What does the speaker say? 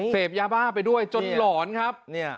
เสพยาบ้าไปด้วยจนหลอนครับ